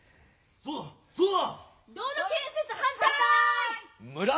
そうだそうだ！